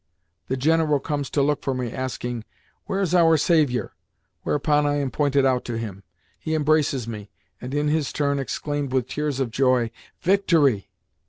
The general comes to look for me, asking, "Where is our saviour?" whereupon I am pointed out to him. He embraces me, and, in his turn, exclaims with tears of joy, "Victory!"